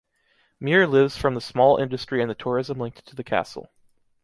Mir lives from the small industry and the tourism linked to the castle.